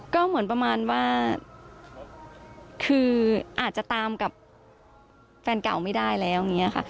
ก็เหมือนประมาณว่าคืออาจจะตามกับแฟนเก่าไม่ได้แล้วอย่างนี้ค่ะ